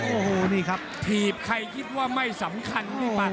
โอ้โหทีบใครคิดว่าไม่สำคัญ